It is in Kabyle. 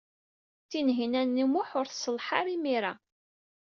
Tinhinan u Muḥ ur tselleḥ ara imir-a.